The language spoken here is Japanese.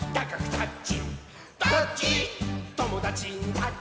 「タッチ！」